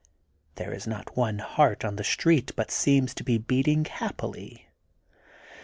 There is not one heart on the street but ceems to be beating happily.